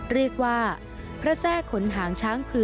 เรียกว่าพระแทร่ขนหางช้างคือ